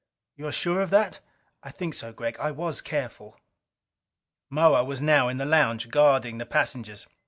"You're sure of that?" "I think so, Gregg. I was careful." Moa was now in the lounge, guarding the passengers.